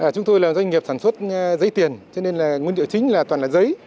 chúng tôi là doanh nghiệp sản xuất giấy tiền cho nên là nguyên liệu chính là toàn là giấy